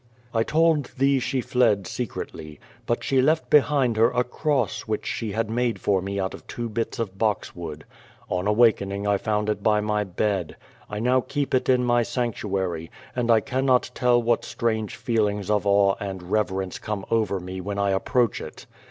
T told thcc she fled secretly. Rut she left behind her a crop^s which she had made for me out of two bits of boxwood. On awaking I found it by my l)ed. I now keep it in my sanctu ary, and I cannot tell what strange feelings of awe and rev erence comes over me when I approach it.